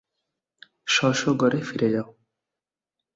স্ব স্ব ঘরে ফিরে যাও।